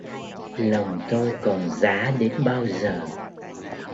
Lòng tôi còn giá đến bao giờ